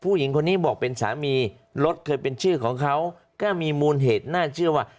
ผู้หญิงคนนี้บอกเป็นสามีรถเคยเป็นชื่อของเขาก็มีมูลเหตุน่าเชื่อว่า